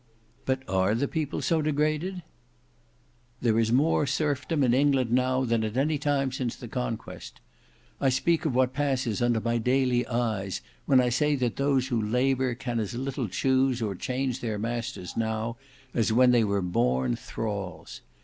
"But are the people so degraded?" "There is more serfdom in England now than at any time since the Conquest. I speak of what passes under my daily eyes when I say that those who labour can as little choose or change their masters now, as when they were born thralls.